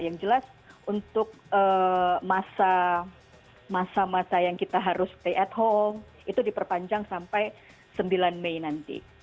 yang jelas untuk masa masa yang kita harus stay at home itu diperpanjang sampai sembilan mei nanti